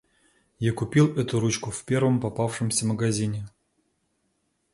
Я купил эту ручку в первом попавшемся магазине.